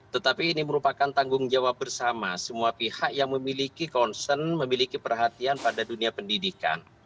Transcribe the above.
tetapi ini merupakan tanggung jawab bersama semua pihak yang memiliki concern memiliki perhatian pada dunia pendidikan